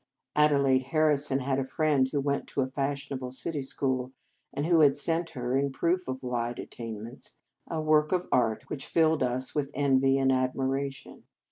Adelaide Harrison had a friend who went to a fashionable city school, and who had sent her in proof of wide attain ments a work of art which filled us with envy and admiration.